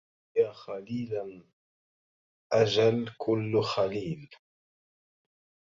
يا خليلا أجل كل خليل